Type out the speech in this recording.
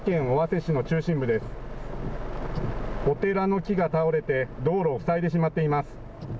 お寺の木が倒れて道路を塞いでしまっています。